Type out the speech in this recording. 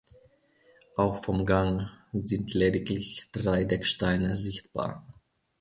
Auch vom Gang sind lediglich drei Decksteine sichtbar.